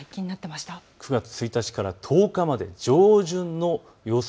９月１日から１０日まで上旬の予想